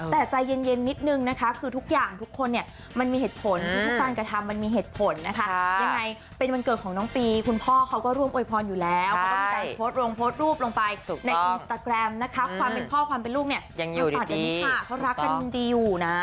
แต่ใจเย็นนิดนึงนะคะคือทุกอย่างทุกคนเนี่ยมันมีเหตุผลที่ทุกการกระทำมันมีเหตุผลนะคะยังไงเป็นวันเกิดของน้องปีคุณพ่อเขาก็ร่วมโวยพรอยู่แล้วเขาก็มีการโพสต์ลงโพสต์รูปลงไปในอินสตาแกรมนะคะความเป็นพ่อความเป็นลูกเนี่ยยังตอนนี้ค่ะเขารักกันดีอยู่นะ